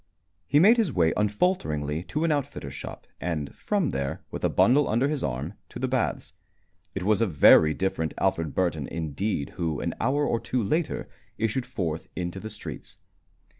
He made his way unfalteringly to an outfitter's shop, and from there, with a bundle under his arm, to the baths. It was a very different Alfred Burton indeed who, an hour or two later, issued forth into the streets.